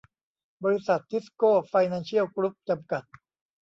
บริษัท ทิสโก้ไฟแนนเชียลกรุ๊ป จำกัด